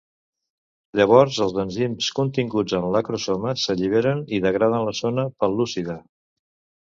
Llavors els enzims continguts en l'acrosoma s'alliberen i degraden la zona pel·lúcida.